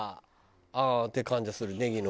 「ああ」って感じはするネギの。